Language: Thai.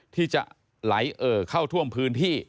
ที่จะไหลเอ่อเข้าท่วมพื้นที่